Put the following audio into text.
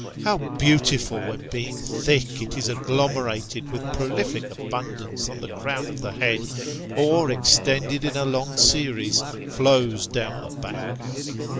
How beautiful, when being thick, it is agglomerated with prolific abundance on the crown of the head, or extended in a long series flows down the back